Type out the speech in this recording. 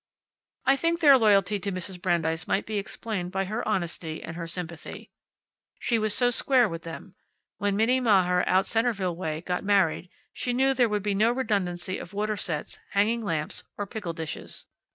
I think their loyalty to Mrs. Brandeis might be explained by her honesty and her sympathy. She was so square with them. When Minnie Mahler, out Centerville way, got married, she knew there would be no redundancy of water sets, hanging lamps, or pickle dishes.